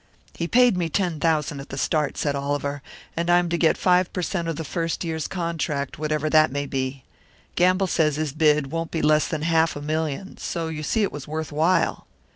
"He paid me ten thousand at the start," said Oliver; "and I am to get five per cent of the first year's contract, whatever that may be. Gamble says his bid won't be less than half a million, so you see it was worth while!"